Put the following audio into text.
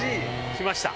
きました。